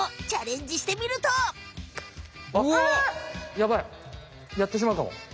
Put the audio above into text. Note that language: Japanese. ヤバいやってしまうかも。